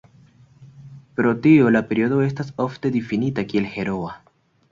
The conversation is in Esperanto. Pro tio la periodo estas ofte difinita kiel "heroa".